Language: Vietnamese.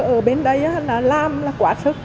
ở bên đây là làm là quá sức